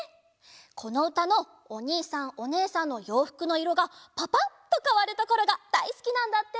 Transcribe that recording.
このうたのおにいさんおねえさんのようふくのいろがパパッとかわるところがだいすきなんだって。